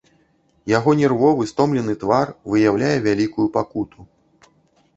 Яго нервовы стомлены твар выяўляе вялікую пакуту.